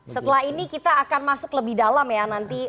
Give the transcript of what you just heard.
setelah ini kita akan masuk lebih dalam ya nanti